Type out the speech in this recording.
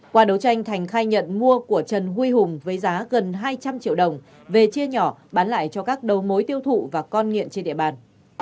qua đấu tranh thành khai nhận mua của trần huy hùng với giá gần hai trăm linh triệu đồng về chia nhỏ bán lại cho các đầu mối tiêu thụ và con nghiện trên địa bàn